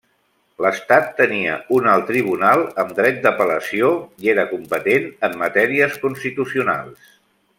L'estat tenia un alt tribunal amb dret d'apel·lació, i era competent en matèries constitucionals.